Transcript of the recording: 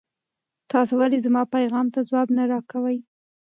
تاسو ولې زما پیغام ته ځواب نه راکوئ؟